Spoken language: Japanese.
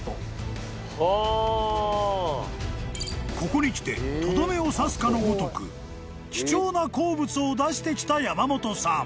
［ここにきてとどめを刺すかのごとく貴重な鉱物を出してきた山本さん］